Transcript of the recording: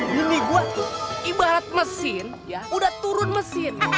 dulu gue tuh ibarat mesin ya udah turun mesin